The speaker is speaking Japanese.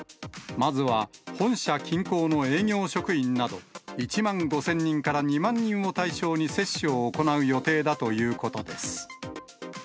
まずは本社近郊の営業職員など、１万５０００人から２万人を対象に接種を行う予定だということです。